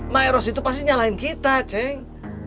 maeros itu pasti menyalahkan kita ceng